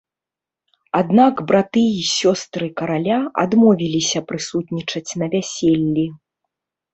Аднак браты і сёстры караля адмовіліся прысутнічаць на вяселлі.